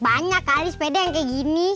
banyak kali sepeda yang kayak gini